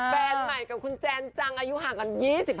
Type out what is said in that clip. แฟนใหม่กับคุณแจนจังอายุห่างกัน๒๕